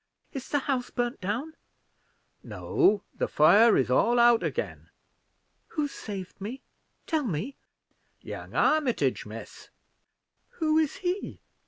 "Is the house burned down?" "No. The fire is all out again." "Who saved me? tell me." "Young Armitage, miss." "Who is he?